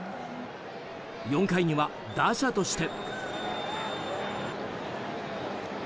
４回には打者として。